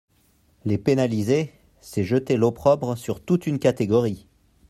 Les pénaliser, c’est jeter l’opprobre sur toute une catégorie.